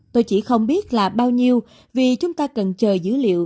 tôi chỉ không biết là bao nhiêu vì chúng ta cần chờ dữ liệu